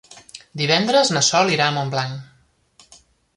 Divendres na Sol irà a Montblanc.